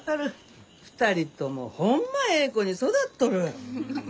２人ともホンマええ子に育っとる。